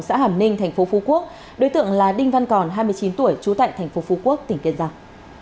xã hàm ninh tp phú quốc đối tượng là đinh văn còn hai mươi chín tuổi trú tại tp phú quốc tỉnh kiên giang